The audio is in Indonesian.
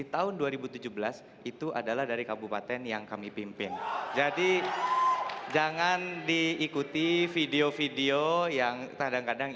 tahun dua ribu tujuh belas itu adalah dari kabupaten yang kami pimpin jadi jangan diikuti video video yang kadang kadang